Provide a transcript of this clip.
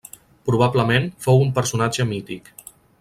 Probablement fou un personatge mític.